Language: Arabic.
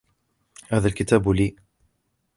هذا الكتاب لي.